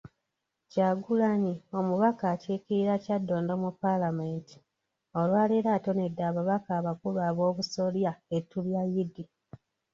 Kyagulanyi, omubaka akiikirira Kyaddondo mu Paalamenti olwaleero atonedde abataka abakulu ab'obusolya ettu lya Eid.